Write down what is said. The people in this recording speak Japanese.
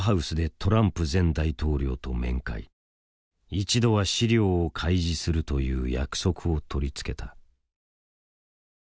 一度は資料を開示するという約束を取り付けた。